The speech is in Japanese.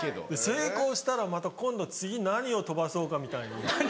成功したらまた今度次何を飛ばそうかみたいに。